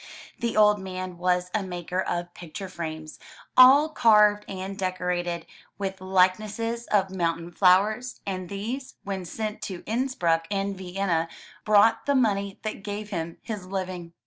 The old man was a maker of picture frames, all carved and decorated with like nesses of mountain flowers, and these, when sent to Innsbruck and Vienna, brought the money that gave him his living.